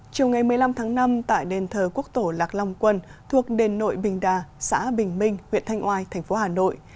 chiều một mươi năm tháng năm tại đền thờ quốc tổ lạc long quân thuộc đền nội bình đà xã bình minh huyện thanh oai tp hà nội